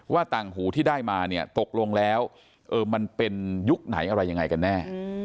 ต่างหูที่ได้มาเนี่ยตกลงแล้วมันเป็นยุคไหนอะไรยังไงกันแน่